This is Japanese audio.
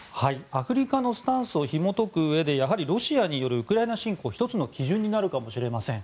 アフリカのスタンスをひも解くうえで、ロシアによるウクライナ侵攻、１つの基準になるかもしれません。